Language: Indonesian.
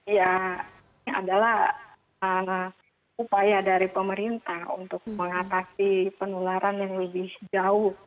ya ini adalah upaya dari pemerintah untuk mengatasi penularan yang lebih jauh